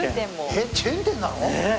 えっチェーン店なの？